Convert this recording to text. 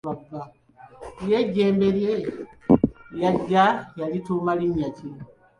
Ye ejjembe lye yagya yalituuma linnya ki?